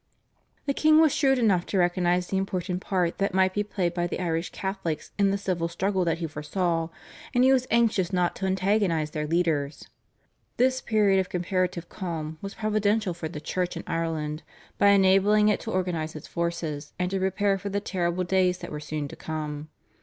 The king was shrewd enough to recognise the important part that might be played by the Irish Catholics in the civil struggle that he foresaw, and he was anxious not to antagonise their leaders. This period of comparative calm was providential for the Church in Ireland, by enabling it to organise its forces and to prepare for the terrible days that were soon to come.